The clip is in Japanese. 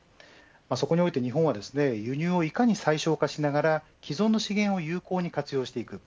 そこにおいて日本は輸入をいかに最小化にしながら既存の資源を有効に活用していく。